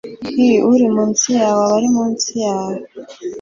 i uri munsi yawe aba ri munsi yawe